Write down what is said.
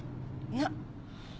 なっ！